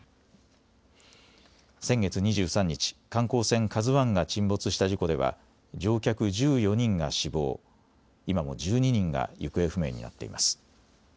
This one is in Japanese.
先月２３日、観光船、ＫＡＺＵＩが沈没した事故では乗客１４人が死亡、今も１２人が行方不明になっています。